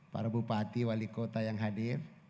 para bupati wali kota yang hadir